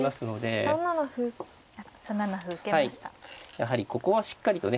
やはりここはしっかりとね。